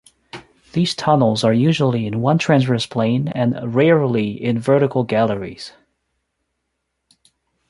These tunnels are usually in one transverse plane and rarely in vertical galleries.